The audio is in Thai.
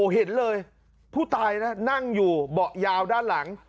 เห็นเลยผู้ตายนะนั่งอยู่เบาะยาวด้านหลัง